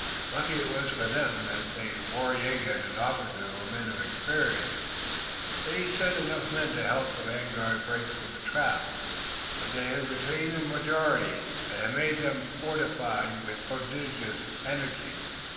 Lucky it was for them that Waraiyageh and his officers were men of experience. They had sent enough men to help the vanguard break from the trap, but they had retained the majority, and had made them fortify with prodigious energy.